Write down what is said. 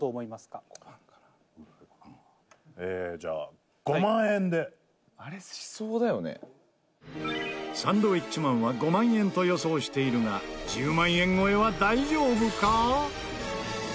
じゃあサンドウィッチマンは５万円と予想しているが１０万円超えは大丈夫か？